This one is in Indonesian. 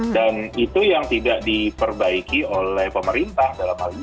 dan itu yang tidak diperbaiki oleh pemerintah dalam hal ini